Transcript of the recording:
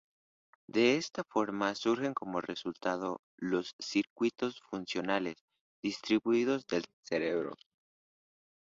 De esta forma surgen como resultado los circuitos funcionales "distribuidos" del cerebro.